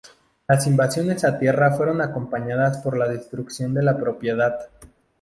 Las invasiones a tierras fueron acompañadas por la destrucción de la propiedad.